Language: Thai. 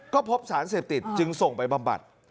ก็พบสารเสพติดจึงส่งไปบำบัด